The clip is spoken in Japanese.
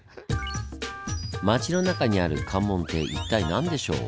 町の中にある「関門」って一体何でしょう？